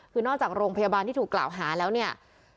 คือนอกจากโรงพยาบาลที่ถูกกล่าวหาแล้วเนี่ย